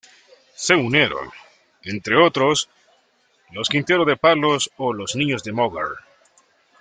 Se unieron, entre otros, los Quintero de Palos o los Niño de Moguer.